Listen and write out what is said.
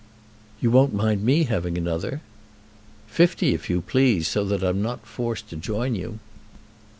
"You won't mind me having another?" "Fifty if you please, so that I'm not forced to join you."